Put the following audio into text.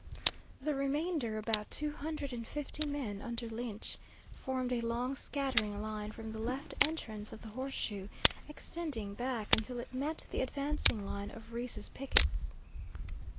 The remainder, about two hundred and fifty men under Lynch, formed a long scattering line from the left entrance of the horseshoe, extending back until it met the advancing line of Reese's pickets.